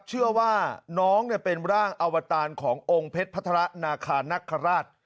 เชื่อว่าน้องเป็นร่างอวตารขององค์เพชรพัฒระนาคานักคราช